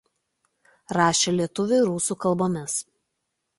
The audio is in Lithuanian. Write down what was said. Rašė lietuvių ir rusų kalbomis.